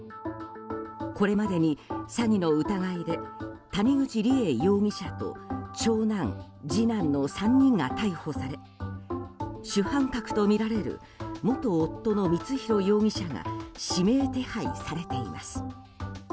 これまでに詐欺の疑いで谷口梨恵容疑者と長男、次男の３人が逮捕され主犯格とみられる元夫の光弘容疑者が指名手配されています。